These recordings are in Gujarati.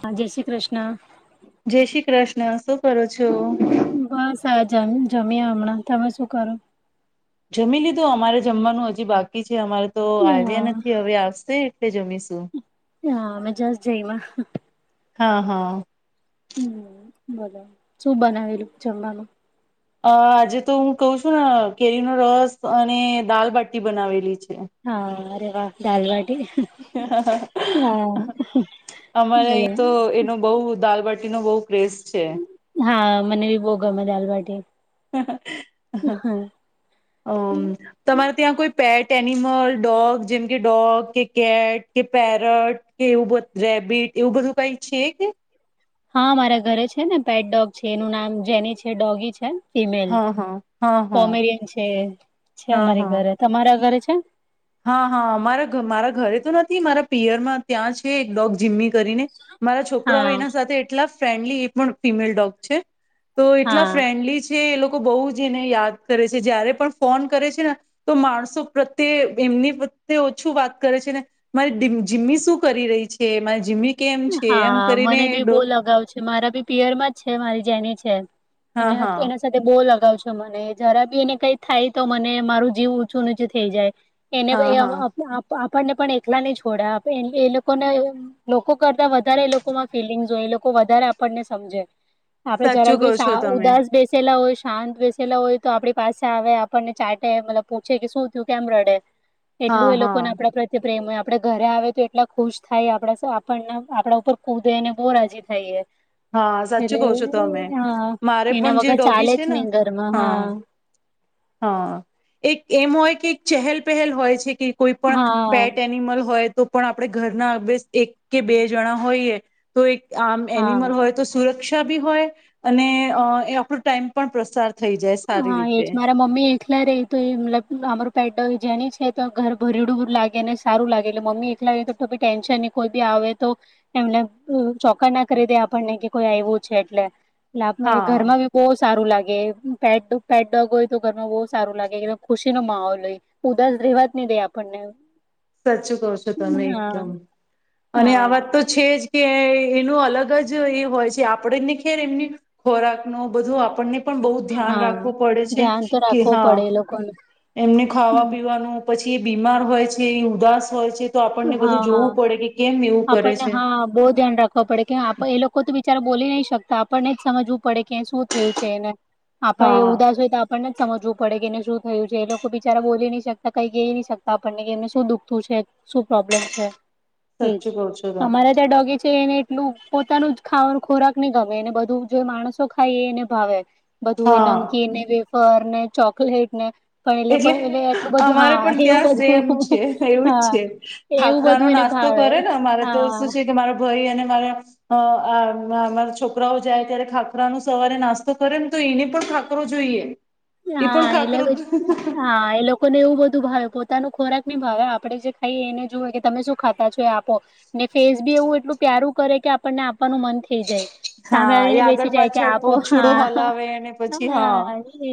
હા, જય શ્રી કૃષ્ણ. જય શ્રી કૃષ્ણ શું કરો છો? બસ આ જમ-જમીયા હમણાં. તમે શું કરો? જમી લીધું અમારે જમવાનું હજી બાકી છે અમારે તો હા આવ્યા નથી હવે આવશે એટલે જમીશું. એ. અમે જસ્ટ જઈમાં. હા, હા. હમ્મ બોલો શું બનાવેલું જમવાનું? અહ આજે તો હું કઉ છું ના કેરીનો રસ અને દાલબટી બનાવેલી છ હા અરે દાલવાટ અમારે બોલો અહી તો એનું બહુ દાલ બટ ટી નો બઉ ક્રેઝ છે. હા મને બી બહુ ગમે દાલ બાટી. અમ્મ તમારે ત્યાં કોઈ પેટ તેનિમલ ડોગ જેમ કે ડોગ કે કેટ કે પેરટ કે એવું રેબિટ એવું બધું કઈ છે કે? હા મારા ઘરે છે ને પેટ ડોગ છે. એનું નામ જેની છે. ડોગી છે. ફિમેલ હા હા હા હા કોમેડિયન છે છે હા હા અમારી ઘરે તમારા ઘરે [unintelligible] હા હા મારા મારા ઘરે તો નથી મારા પિયરમાં ત્યાં છે એક ડોગ જીમ્મી કરીને મારા છોકરાઓ હા એના સાથે એટલા ફ્રેન્ડલી એ પણ ફિમેલ ડોગ છે. તો એટલા હા ફ્રેન્ડલી છે એ લો બહુ જ એને યાદ કરે છે જયારે પણ ફોન કરે છે ને તો માણસો પ્રત્યે એમની [unintelligible] ઓછું વાત કરે છે ને મારી ડીમ જીમ્મી શું કરી રહી છે મારી જીમ્મી કેમ છે એમ હા કરીને મને બી ડો. બો લગાવ છે મારા બી પિયરમાં જ છે મારી જેની છે. હા એના હા એના સાથે બો લ ગાવ છે મને જરા બી એને કઈક થાય તો મને મારું જીવ ઊચું નીચું થઈ જાય. એને અ હા અ હા આપ આપણને પણ એકલા નહીં છોડે એ લોકોને એવ લોકો કરતા વધારે એ લોકોમાં ફીલિંગ્સ હોય એ લોકો વધારે આપણને સમજે. આપડે જરાક સાચું કહો બી છો સા તમે ઉદાસ બેસેલા હોય શાંત બેસેલા હોય તો આપણી પાસે આવે આપણને ચાટે મતલબ પૂછે કે શું થયું કેમ રડે? હા એટલું એ હા લોકોને આપણા પ્રત્યે પ્રેમ હોય આપણેે ઘરે આવે તો એટલા ખુશ થાય આપણે આપ પણ આપણા ઉપર કૂદે ને બહુ રાજી થાય એ. હા સાચું એટલે કહો છો તમે હા મારે પણ એના જે વગર ડોગી ચાલે છે જ ને નઈ ઘરમાં હા. હા એક એમ હોય કે એક ચહેલપહેલ હોય છે કે કોઈ પણ હા પેટ એનિમલ હોય તો પણ આપણે ઘરના બે એક કે બે જણા હોઈએ તો એક હા એનિમલ હોય તો સુ રક્ષા બી હોય અને એ આપણો ટાઈમ પણ પ્રસાર થઈ જાય સારી હા, એજ રીતે મારા મમ્મી એકલા રેય તો એ મતલબ અમારુ પેટ ડોગ જેની છે તો ઘર ભરીડયુ ડર લાગે ને સારું લાગે એટલે મમ્મી એકલા હોય તો બી ટેન્શન ની કોઈ બી આવે તો એમને ચોક્કના કરી દેય આપણને કે કોઈ આયવું છે એટલે લાભ હા ઘરમાં બી બો સારું લાગે. પેટ પેટ ડોગ હોય તો ઘરમાં બહુ સારું લાગે ખુશીનો માહોલ હોય ઉદાસ રહેવા જ નહીં દે આપણને. સાચું કહો છો તમે હા એકદમ અને આ વાત હા તો છે જ કે એનું અલગ જ એ હોય છે આપણેને ખેર એમની ખોરાકનું બધું આપણને પણ બહુ ધ્યાન હા રાખવું પડે છે ધ્યાન તો કે રાખવું હા પડે એ લોકોને એમને ખાવા હમ્મ, પીવાનું પછી જે બીમાર હોય છે જે ઉદાસ હોય છે હા હા જોવું પડે કે કેમ એવું કરે આપણને છે હા બહુ ધ્યાન રાખવા પડે કે એ લોકો તો બીચાર બોલી નહી શકતા આપણને જ સમજવું પડે કે શું થયું છે એને આપણે એ હા ઉદાસ હોય તો આપણને જ સમજવું પડે કે શું થયું છે એ લોકો બિચારા બોલી નહી શકતા કઈ ક નહી શકતા આપણને કે એમને શું દુખતું છે શું પ્રોબ્લેમ છે એજ સાચું કહો છો તમે અમારા ત્યાં ડોગી છે એને એટલું પોતાનું જ ખાવાનું ખોરાક નહી ગમે અનેને બધું જો માણસો ખાઈ એને ભાવે બધું એને હા અંકી એને ને ચોકલેટ ને પણ એ લોકો એટલે એટલું બધું અમારે હા એવું બધું હા એવું ખાખરા બધું નો એને નાસ્તો ભાવે કરે ને મારે તો હા શું છે કે મારો ભાઈ અને રા છોકરાઓ જાય ત્યારે ખાખરા નો સવારે નાસ્તો કરે ને તો એને પણ ખાકરો જોઈએ એ હા પણ એલે ખાખરો બ હા એ લોકો ને એું બધું ભાવે પોતાનું ખોરાક નહી ભાવે આપે જે ખાઈએ એને જોુએ કે તમે શું ખાતા છો એ આપો ને ફેસ બી એવું એટલું પ્યારું કરે કે આપણને આપવાનું મન થઈ જાય સામે હા એ આવીને આગળ બેસી જાય કે પાછળ આપો પુછડું હા હલાવે અને પછી હા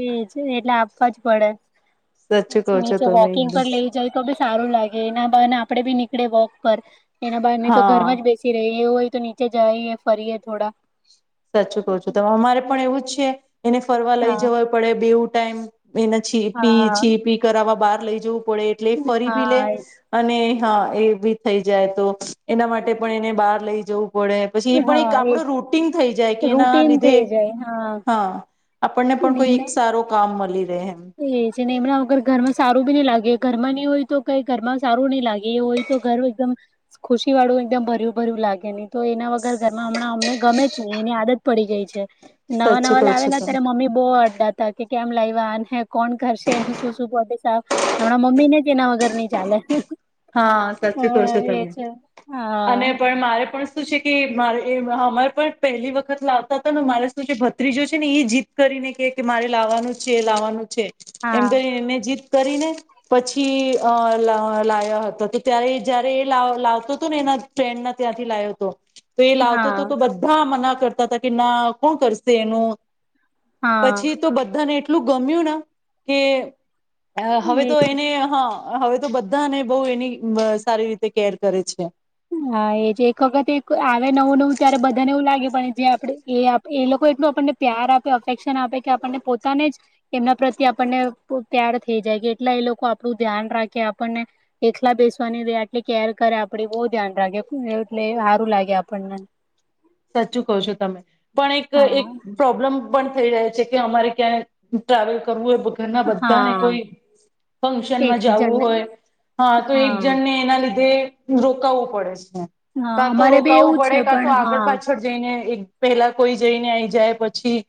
એજ એટલે આપવા જ પડે સાચું કહો બું છો નીચે તમે વોકિંગ એકદમ પર લે જાય તો બ સારું લાગે એના આપડે બી નીકળે વોક પર એના બહાને તો હા ઘરમાં જ બેસી રહેહી એવું હોય તો નીચે જાયએ ફરીએ થોડા સાચું કું છું ત અમારે પણ એવું જ છે એને ફરવા લઈ હા જવા પડે બેવ ટાઈમ એના છી પી હા છી પી કરાવવા બાર લઈ જો પડે એટલે ફરી બી લે હા એજ અને હા એ બી થઈ જાય તો એના માટે પણ એને બહાર લઈ જવું પડે પછી એ પણ એક હા આપડ એજ રૂટન રૂટીન થઇ જાય હા આપણને પણ કોઈ એક સારો કામ મળી રહે એમ તો એ છે ને એમના વગર ઘરમાં સારું બી ની લાગે ઘરમાં ને એવું હોય તો કઈ ઘરમાં સારું ની લાગે એ હોય તો ઘર એકદમ ખુશી વાળું એકદમ ભર્યું ભર્યું લાગે નહી તો એના વગ ઘર ઘરમાં હમણાં અમને ગમે જ ની એની આદત પડી ગઈ છે. નવા સાચું નવા કહો છો લાવેલા તમે ત્યારે મમ્મી બહુ અડડા તા કે કેમ લાયવા આને કોણ કરશે એનું શું શું પોટી સાફ હમણાં મમ્મી ને જ એના વગર નઈ ચાલે હા સાચી કહો છો એ તમે છે હા અને પણ મારે પણ શું છે કે મારે એ અહ મારે પણ પહેલી વખત લાવતા હતા ને મારે શું છે ભત્રીજો છે ને એ જીત કરીને કે કે મારે લાવવાનું છે લાવવાનું છે. હા એમ તો એમને જીત કરી ને પછી અ લ લયા ત્યારે જયારે એ લાવતો હતો ને એના ફ્રેન્ડના ત્યાંથી લાય્યો હતો તો એ લાવતો હા હતો તો બધા મના કરતા હતા કે ના કોણ કરશે એનું હા પછી તો બધાને એટલું ગમ્યું ને કે અ હવે એ તો એને હા હવે તો બધાને બહુ એની સારી રીતે કેર કરે છે હા એજ એક વખત આવે નવું નવું ત્યારે બધાને એવું લાગે પણ જે આપ એ એ લોકો એટલું આપણને પ્યાર આપે અફેક્શન આપે કે આપણને પોતાને જ એમના પ્રત્યે આપણને પ્યાર થઈ જાય કે એટલા એ લોકો આપણું ધ્યાન રાખે આપણને એકલા બેસવાની રહે આપડી કેર કરે આપડી બ ધ્યાન રાખે એટલે હારું લાગે આપ બન્ન સાચું કહો છો તમે પણ એક એક હા પ્રોબ્લમ પણ થઈ જાય કે અમારે ક્યાં ટ્રાવેલ કરવું હોય ઘરના બધાને હા કોઈ ફંક્શનમાં એક જવુ જણને હોય હા તો એક જણને એના લીધે રોકાવવું પડે છે હા કાં અમારે બી એવું છે પણ હા ને એક પેલા કોઈ જઈને આઈ જાય પછી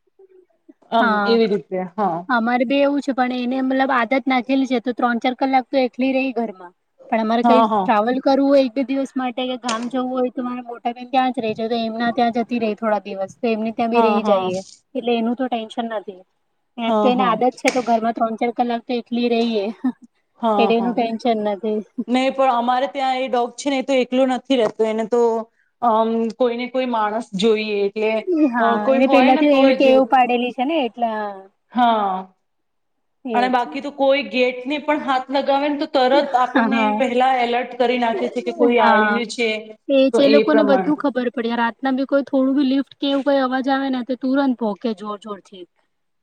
આમ એવી રીતે હા અમારે બેી એવું પણ એને મતલબ આદત નાખેલી છે તો ત્રણ ચાર કલાક તો એકલી રહી ઘરમાં પણ અમારે કઈ હા હા ટ્રાવેલ કરવું હોય બે દિવસ માટે કે ગામ જવું હોય તો તમારે મો- ત્યાં રહી છે તો એમના ત્યાં જતી રહી થોડા [inaudible] તો એમને ત્યાં બી હા રહી હા જઈએ એટલે એનું તો ટેન્શન નથી એમ હા તો એને હા આદત છે તો ઘર માં તોચ કલાક તો એટલી રહીએ હા એટલે એનું હા ટેન્શન નથી નહી પણ અમારે ત્યાં એ ડોગ છે ને એ તો એક લો નથી રહેતો એને તો અ કોઈને કોઈ માણસ જોઈએ એટલે અ હા કોઈ એને હોય પેલા તો ને એવી તોય જ ટેવ પાડેલી છે ને. એટલા હા અને બાકી તો કોઈ ગેટની પણ હાથ લગ હ હા એલર્ટ કરી નાખે છે કે કોઈ હા આવ્યું છે એ તો જે લોકોને પ્રમાણે બધું ખબર પડે રાતના બી કોઈ થોડું બી લિફ્ટ કે એવું કઈ અવાજ જ આવે ને તુરંત ભોકે જોર જોર થી.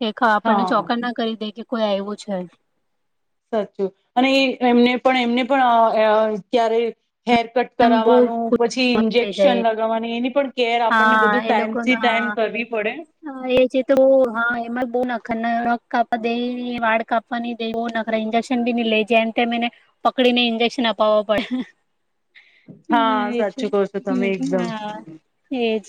એેખા આપણને હા ચોકન્ના કરી દે કે કોઈ આયવું છે. સાચું અને એ એમને પણ એમને પણ અ ક્યારે હેર કટ એમ બહુ કરાવવાનું ખુશ પછી થઈ ઇન્જેક્શન જાય લગાવવાની એની પણ કેર આપણને હા બધું એ લોકો ન ટાઈમથી ટાઈમ હા કરવી પડે એ છેએ જે તો હા એમાં બહુ ન એને નખ કાપવા દેય, વાળ કાપવા ની દે બો નખરા ઇન્જેક્શન બી ન લે જેમ તેમ એને પકડી ને ઈંજેક્શન અપાવો પડે. હા એ છે સાચું કહો છો તમે એકદમ. હા એજ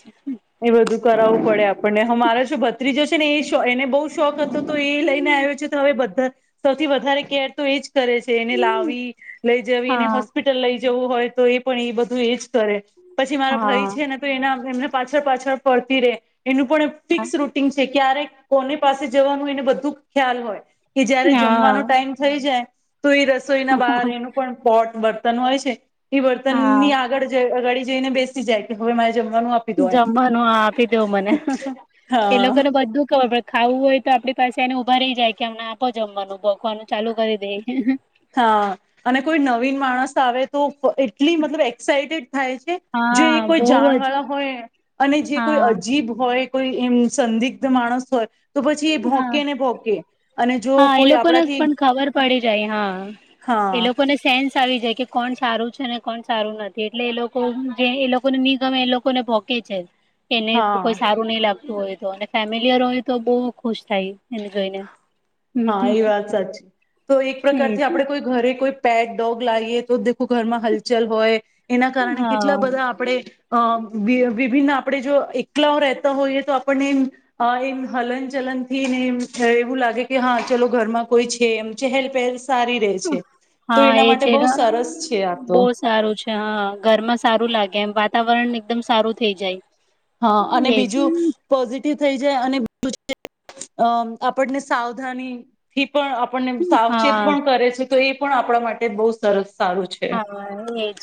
એ બધું કરાવવું પડે આપણને. અમારો જે ભ બીજો છે ને એ એને બહુ શોખ હતો તો એ લઈને આવ્યો છે. તો હવે બધા સૌથી વધારે કેર તો એ જ કરે છે એને લાવી, લઈ જવી એને હા હોસ્પિટલ લઈ જવું હોય. તો એ પણ એ બધું એ જ કરે પછી મારો ભાઈ હા છે ને તો એના એમને પાછળ પાછળ પડતી રે એનું પણ ફિક્સ રૂટીન છે. ક્યારે કોની પાસે જવાનું એને બધું ખ્યાલ હોય. કે જયારે હા જમવાનો ટાઈમ થઈ જાય તો એ રસોઈના બહાર એનું પણ પોટ બત તન હોય છે. એ બર્તન હા ની આગળ જે અગાડી જોઈને બેસી જાય કે હવે મારી જમવાનું આ આપી દો મને, હ હ એ હા લોકોને બધું ખબર પડ ખાવું હોય તો આપડી પાસે એને ઊભા રહી જાય કે અમને આપો જમવાનું ભોખવાનું ચાલુ કરી દે. હા અને કોઈ નવીન માણસ આવે તો એટલી મતલબ એક્સાાઈટેડ થાય છે જે એ હા કોઈ બહુ જ જાણવાળા હોય અને જે કોઈ હા અજીબ હોય કોઈ એમ સંદિગ્ધ માણસ હોય તો પછી એ હા ભોકેને ભોકે અને જો હા એ કોઈ લોકોને આપણાથી પણ ખબર પડી જાય હા હા એ લોકોને સેન્સ આવી જાય. કે કોણ સારું છે ને કોણ સારું નથી એટલે એ લોકો જે એ લોકોને નિગમે એ લોકોને ભોકી જાય. એને હા કોઈ સારું નહી લાગતું હોય તો અને ફેમિલીયર હોય તો બવ ખુશ થાય એને જોઈને. હમ હા હમ એ વાત સાચી તો એક એજ પ્રકારથી આપડે કોઈ ઘરે કોઈ પેટ ડોગ લાઈએ તો આખું ઘરમાં હલચલ હોય એના કારણે કેટલા હા બધા આપડે. અ વિ વિભિન્ન આપણે જો એકલા રહેતા હોઈએ તો આપણને એમ એમ હલન ચલન થીને એમ એવું લાગે કે હા ચલો ઘરમાં કોઈ છે એમ છે ચેહેલ પેહેલ સારી રહે હા એ છે સરસ છે આ તો બો સારું છે. હા ઘરમાં સારું લાગે એમ વાત વાતાવરણ એકદમ સારું થઈ જાય. હા અને એજ. બીજું પોઝી ટીવ જાય અને [inaudible] અઅ આપણને સાવધાનીથી પણ આપણને સાવચેત હા પણ કરે છે. તો એ પણ આપણા માટે બહુ સરસ સારું છે. હા એજ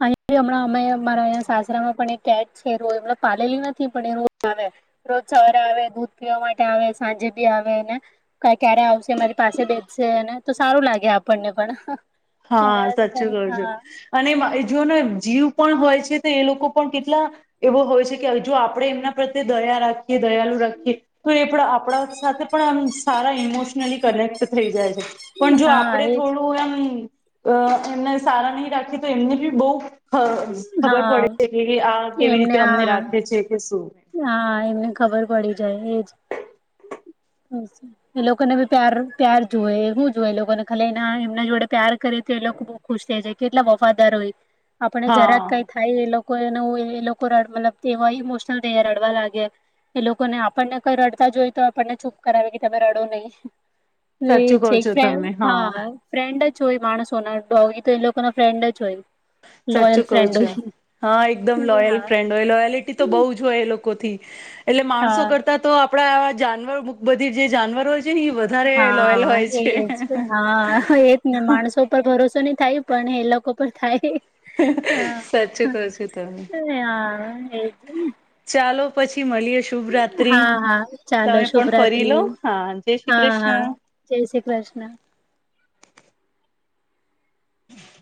અહીં હમણાં. અમે મારે અહીંયા સાસરામાં પણ એક કેટ છે. રોજ મતલબ પાલેલી નથી પણ એ રોજ આવે. રોજ સવારે આવે. દૂધ પીવા માટે આવે, સાંજે બી આવે, ને ક્યાં ક્યારે આવશે મારી પાસે બેશશે ને. તો સારું લાગે આપણને પણ. હા એના સાચું કોવ છો હા અને એ જુઓનો જીવ પણ હોય છે તો એ લોકો પણ કેટલા એવો હોય છે કે જો આપણેે એમના પ્રત્યે દયા રાખીએ, દયાલુ રાખીએ તો એ આપણા સાથે પણ આમ સારા ઈમોશનલી કનેક્ટ થઈ જાય છે. પણ જો હા આપડે એજ થોડું એમ અ એમને સારા નહીં રાખીએ તો એમને બી બહ ખ ખબર હા પડે છે કે આ કેવી એમને રીતે અમને હા રાખે છે કે શું. હા, એમને ખબર પડી જાય. એજ. એ લોકોને બી પ્યાર પ્યાર જોઈએ હું જોએ એ લોકોને ખાલી એના એમના જોડે પ્યાર કરે તો એ લોકો બો ખુશ થઈ જાય. કેટલા વફાદાર હોય. આપણને જરાક કંઈ હા થાય એ લોક લોકોનએ એવું એ લોકો રડવા મતલબ એવા ઇમોશ શનલ થઈ જાય, રડવા લાગે. એ લોકોને આપણને કઈ રડતા જોઈ તો આપણને ચૂપ કરાવે કે તમે રડો નહીં. એ સાચું કહો છે એક છો ફ્રે તમે હા ફ્રેન્ડ જ જોઈ માણસોના ડોગી તો એ લોકો ના ફ્રેન્ડ જ હોય. લોયલ સાચું કોવ ફ્રેન્ડ છો. હોય હા એકદમ લોયલ હા ફ્રેન્ડ હોય. લોયલિટી તો બહુ જ હોય એ લો કોથી એટલે માણસો હા કરતા તો આપડા જાનવર બુ બધી જે જાનવર હોય છે ને એ વધારે લોયલ હા, હોય છે એજ. હા એજ ને માણસો પર ભરોસો નહીં થાય પણ એ લોકો પર થાય. હા સાચું હા કહો છો તમે એજ ચાલો પછી મળીએ શુભ રાત્રિ હા હા ચાલો તમે પણ ફરી લો શુભરાત્રી હા જય શ્રી હા હા કૃષ્ણ જય શ્રી કૃષ્ણ